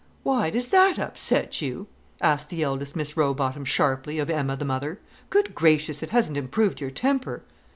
"Why, does that upset you?" asked the eldest Miss Rowbotham, sharply, of Emma the mother. "Good gracious, it hasn't improved your temper."